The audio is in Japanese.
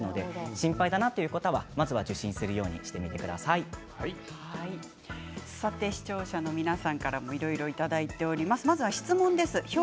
心配だなという方はまずは受診するように視聴者の皆さんからもいろいろいただいています。